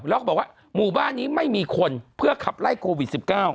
แล้วก็บอกว่าหมู่บ้านนี้ไม่มีคนเพื่อขับไล่โควิด๑๙